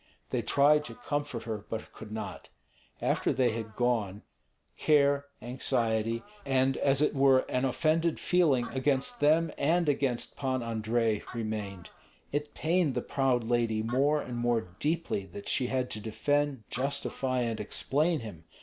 They tried to comfort her, but could not. After they had gone, care, anxiety, and as it were an offended feeling against them and against Pan Andrei remained. It pained the proud lady more and more deeply that she had to defend, justify, and explain him.